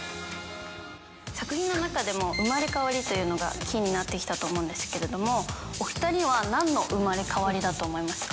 作品の中でも、生まれ変わりというのがキーになってきたと思うんですけれども、お２人はなんの生まれ変わりだと思いますか。